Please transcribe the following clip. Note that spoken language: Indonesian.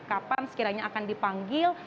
kapan sekiranya akan dipanggil